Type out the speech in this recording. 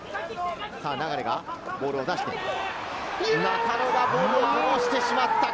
流がボールを出して、中野がボールをこぼしてしまった。